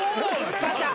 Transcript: さんちゃん。